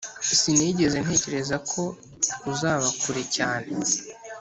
sinigeze ntekereza ko uzaba kure cyane